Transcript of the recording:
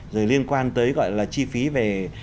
rồi liên quan tới chi phí về